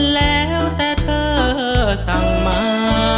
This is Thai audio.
แล้วแต่เธอสั่งมา